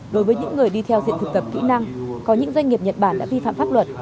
đối với những người đi theo diện thực tập kỹ năng có những doanh nghiệp nhật bản đã vi phạm pháp luật